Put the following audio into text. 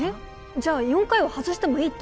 じゃ４回は外してもいいって